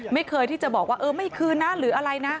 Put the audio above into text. ไม่เคยที่จะบอกว่าเออไม่คืนนะหรืออะไรนะ